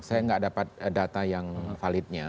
saya nggak dapat data yang validnya